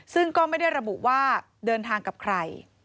ซึ่งก็ไม่ได้ระบุว่าเดินทางกับใคร